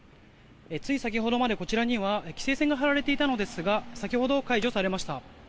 つい先ほどまで、こちらには規制線が張られていたのですが先ほど解除されました。